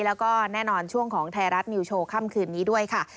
แล้วก็แน่นอนช่วงของไทยรัฐนิวโชว์ค่ำคืนนี้ด้วยค่ะ